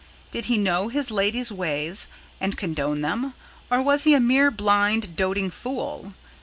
Did he know his lady's ways and condone them, or was he a mere blind, doting fool?